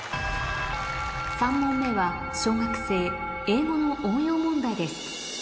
３問目は小学生英語の応用問題です